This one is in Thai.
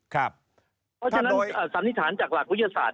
ครับเพราะฉะนั้นก็ใช้สันนิษฐานจากหลักวิทยาศาสตร์